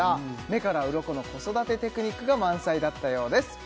目からウロコの子育てテクニックが満載だったようです